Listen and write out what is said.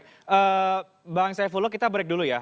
eee bang saifulo kita break dulu ya